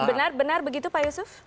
benar benar begitu pak yusuf